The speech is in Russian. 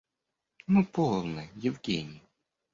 Ну полно, Евгений.